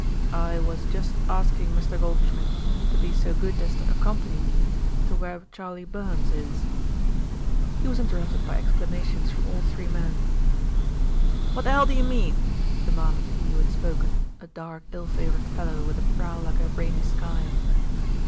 "I was just asking Mr. Goldschmidt to be so good as to accompany me to where Charley Burns is " He was interrupted by exclamations from all three men. "What the hell do you mean?" demanded he who had spoken, a dark, ill favoured fellow with a brow like a rainy sky.